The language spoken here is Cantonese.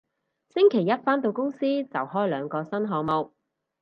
星期一返到公司就開兩個新項目